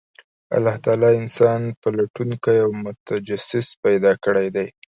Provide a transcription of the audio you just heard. الله تعالی انسان پلټونکی او متجسس پیدا کړی دی،